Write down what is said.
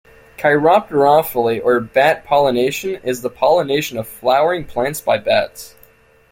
Chiropterophily or bat pollination is the pollination of flowering plants by bats.